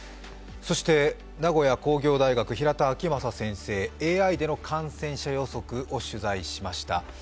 そして、名古屋工業大学平田晃正先生、ＡＩでの感染者予測を取材しました。